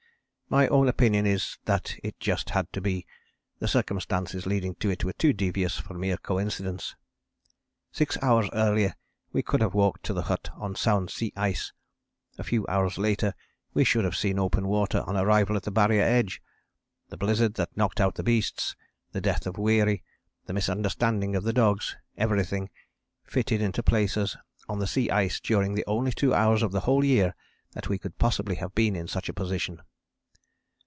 My own opinion is that it just had to be, the circumstances leading to it were too devious for mere coincidence. Six hours earlier we could have walked to the hut on sound sea ice. A few hours later we should have seen open water on arrival at the Barrier edge. The blizzard that knocked out the beasts, the death of Weary, the misunderstanding of the dogs, everything, fitted in to place us on the sea ice during the only two hours of the whole year that we could possibly have been in such a position.